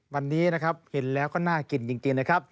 วันนี้นะครับเห็นแล้วก็น่ากินจริงนะครับ